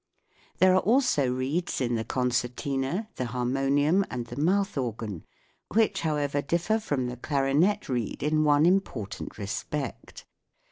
There are also reeds in the concertina, the har monium, and the mouth organ, which, however, differ from the clarinet reed in one important 152 THE WORLD OF SOUND respect.